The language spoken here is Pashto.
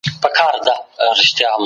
د کندهار ښار څنګه پراخ سو؟